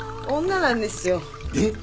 女なんですよ。